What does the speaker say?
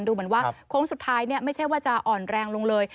ดูเหมือนว่าโค้งสุดท้ายไม่ใช่ว่าจะอ่อนแรงลงเลย